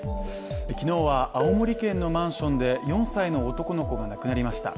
昨日は青森県のマンションで４歳の男の子が亡くなりました。